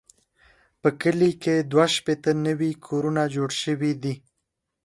په کلي کې دوه شپېته نوي کورونه جوړ شوي دي.